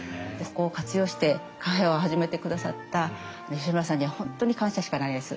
ここを活用してカフェを始めてくださった吉村さんには本当に感謝しかないです。